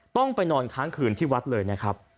ต้องไปนอนค้างคืนที่วัดเลยนะครับ